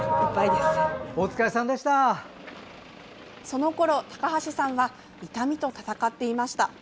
そのころ、高橋さんは痛みと闘っていました。